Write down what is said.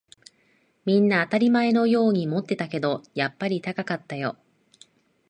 みんな当たり前のように持ってたけど、やっぱり高かったよ